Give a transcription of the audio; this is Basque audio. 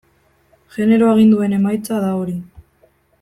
Genero aginduen emaitza da hori.